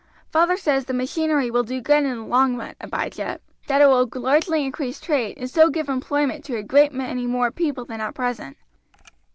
"Father says the machinery will do good in the long run, Abijah that it will largely increase trade, and so give employment to a great many more people than at present.